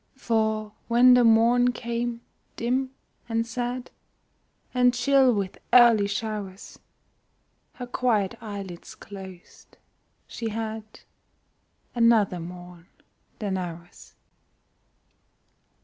For when the morn came, dim and sad, And chill with early showers, Her quiet eyelids closed she had Another morn than ours.